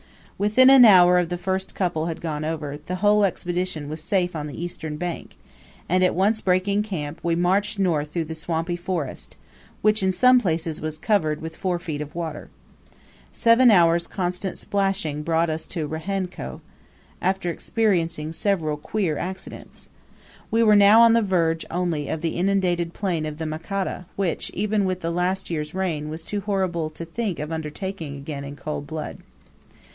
Within an hour of the first couple had gone over, the entire Expedition was safe on the eastern bank; and at once breaking camp, we marched north through the swampy forest, which in some places was covered with four feet of water. Seven hours' constant splashing brought us to Rehenneko, after experiencing several queer accidents. We were now on the verge only of the inundated plain of the Makata, which, even with the last year's rain, was too horrible to think of undertaking again in cold blood.